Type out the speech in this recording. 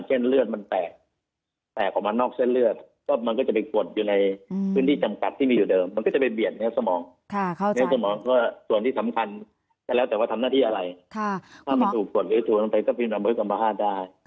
เช่นเลือดไปออกออกมานอกเส้นเลือด